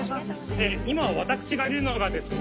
今、私がいるのがですね